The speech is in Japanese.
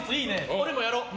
俺もやろう。